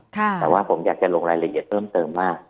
แต่ว่าผมอยากจะลงรายละเอียดเพิ่มเติมว่า